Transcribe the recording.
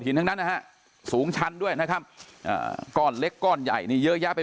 ทั้งนั้นนะฮะสูงชั้นด้วยนะครับอ่าก้อนเล็กก้อนใหญ่นี่เยอะแยะไป